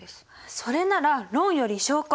それなら「論より証拠」！